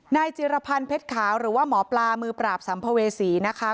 จิรพันธ์เพชรขาวหรือว่าหมอปลามือปราบสัมภเวษีนะคะ